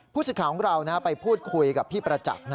ผู้สิทธิ์ข่าวของเราไปพูดคุยกับพี่ประจักร